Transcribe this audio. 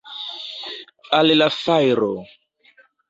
Al la fajro!